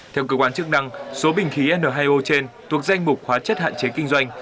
theo cơ quan chức năng số bình khí n hai o trên thuộc danh mục hóa chất hạn chế kinh doanh